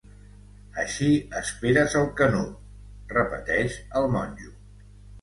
Així esperes el Canut, repeteix el monjo.